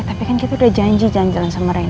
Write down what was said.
ya tapi kan kita udah janji janjilan sama reina